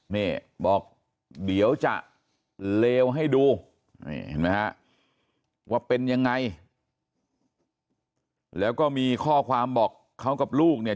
นี่บอกเดี๋ยวจะเลวให้ดูนี่เห็นไหมฮะว่าเป็นยังไงแล้วก็มีข้อความบอกเขากับลูกเนี่ย